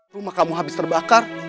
rumah kamu habis terbakar